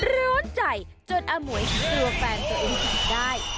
โรนใจจนอ้าหมวยคิดว่าแฟนตัวเองผิดได้